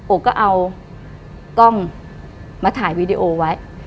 ก็เอากล้องมาถ่ายวีดีโอไว้